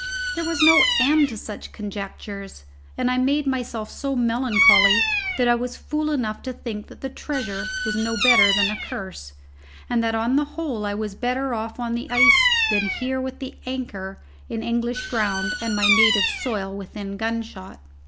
There was no end to such conjectures, and I made myself so melancholy that I was fool enough to think that the treasure was no better than a curse, and that on the whole I was better off on the ice than here with the anchor in English ground and my native soil within gunshot.